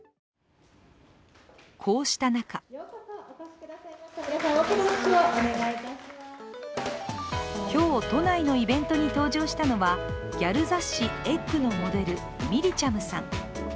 こうした中今日、都内のイベントに登場したのはギャル雑誌「ｅｇｇ」のモデル・みりちゃむさん。